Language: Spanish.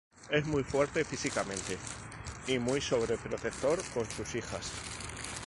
Es muy fuerte físicamente y muy sobreprotector con sus hijas.